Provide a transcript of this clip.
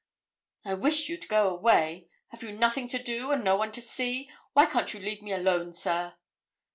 'I wish you'd go away. Have you nothing to do, and no one to see? Why can't you leave me alone, sir?'